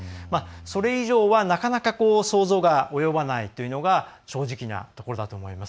それ以上は、なかなか想像が及ばないというのが正直なところだと思います。